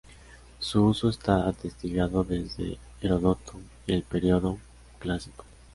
Su uso está atestiguado desde Heródoto y el período clásico.